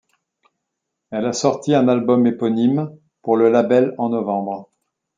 Elle a sorti un album éponyme ' pour le label en novembre.